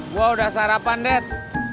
gue udah sarapan det